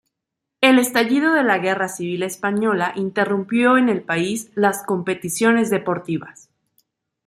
El estallido de la Guerra Civil Española interrumpió en el país las competiciones deportivas.